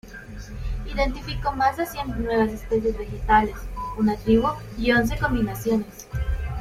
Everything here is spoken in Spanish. Identificó más de cien nuevas especies vegetales, una tribu, y once combinaciones.